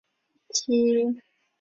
清明节连假要到了